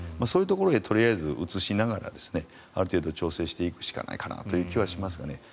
そういうところに移しながらある程度調整していくしかないかなという気はしますね。